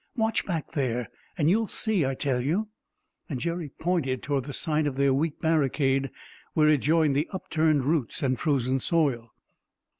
"Watch back there and you'll see, I tell you!" And Jerry pointed toward the side of their weak barricade, where it joined the upturned roots and frozen soil.